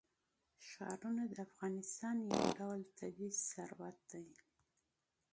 ښارونه د افغانستان یو ډول طبعي ثروت دی.